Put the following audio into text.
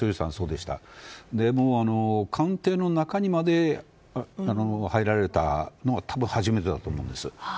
でも官邸の中にまで入られたのは多分初めてだと思います。